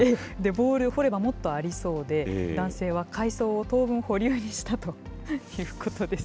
ボール、掘ればもっとありそうで、男性は改装を当分、保留にしたということです。